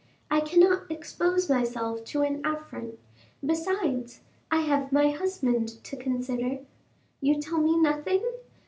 I cannot expose myself to an affront.... besides, I have my husband to consider. You tell me nothing?